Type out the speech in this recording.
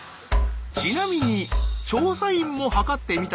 ちなみに調査員も測ってみたところ。